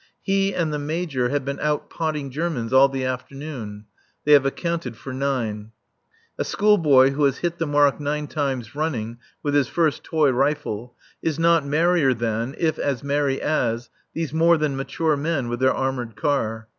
He and the Major have been out potting Germans all the afternoon. (They have accounted for nine.) A schoolboy who has hit the mark nine times running with his first toy rifle is not merrier than, if as merry as, these more than mature men with their armoured car.